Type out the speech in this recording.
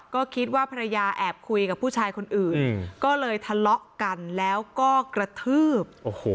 ก็คิดว่าภรรยาแอบคุยกับผู้ชายคนอื่นก็เลยทะเลาะกันแล้วก็กระทืบ